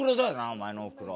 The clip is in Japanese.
お前のおふくろ。